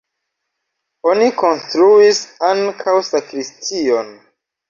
Oni konstruis ankaŭ sakristion.